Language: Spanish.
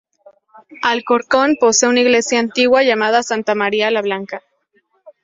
Alcorcón posee una iglesia antigua llamada Santa María la Blanca.